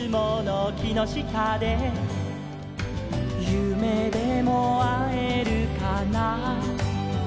「ゆめでもあえるかな」